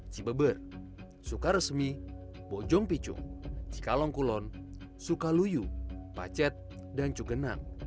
ci beber suka resmi bojong picung cikalong kulon suka luyu pacet dan cugenang